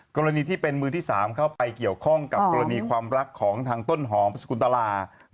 กรณีที่เป็นมือที่๓เข้าไปเกี่ยวข้องกับกรณีความรักของทางต้นหอมพระสกุลตลา